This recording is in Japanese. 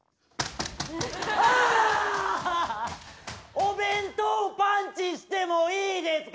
「お弁当パンチしてもいいですか？」